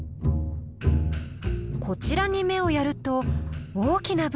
こちらに目をやると大きな舞台が。